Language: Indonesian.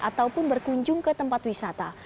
ataupun berkunjung ke tempat wisata